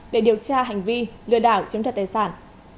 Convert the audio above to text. để điều tra hành vi lừa đảo chứng thật tài sản